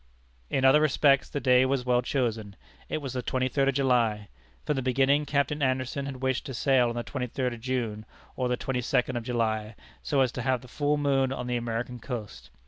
In other respects the day was well chosen. It was the twenty third of July. From the beginning, Captain Anderson had wished to sail on the twenty third of June, or the twenty second of July, so as to have the full moon on the American coast.